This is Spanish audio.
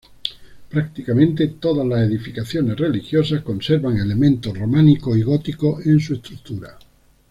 Prácticamente todas las edificaciones religiosas conservan elementos románicos y góticos en su estructura.